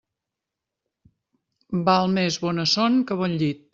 Val més bona son que bon llit.